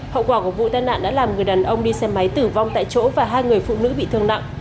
hậu quả của vụ tai nạn đã làm người đàn ông đi xe máy tử vong tại chỗ và hai người phụ nữ bị thương nặng